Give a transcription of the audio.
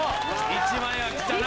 １万円は切ったな。